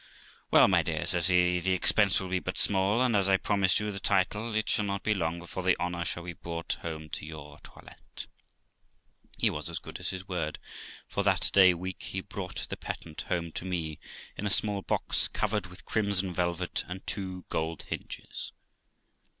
' Well, my dear ', says he, ' the expense will be but small, and as I promised you the title, it shall not be long before the honour shall be brought home to your toilette.' He was as good as his word, for that day week he brought the patent home to me, in a small box covered with crimson velvet and two gold hinges.